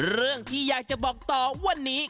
เรื่องที่อยากจะบอกต่อวันนี้